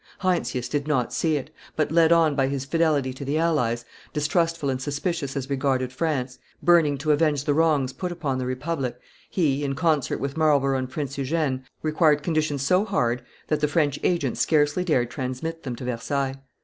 Heinsius did not see it; but led on by his fidelity to the allies, distrustful and suspicious as regarded France, burning to avenge the wrongs put upon the republic, he, in concert with Marlborough and Prince Eugene, required conditions so hard that the French agent scarcely dared transmit them to Versailles.